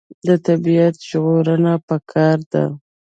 د طبیعت ژغورنه پکار ده.